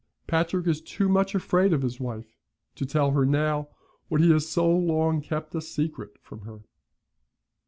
Patrick is too much afraid of his wife to tell her now what he has so long kept a secret from her.